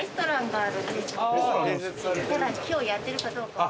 ただ今日やってるかどうかは。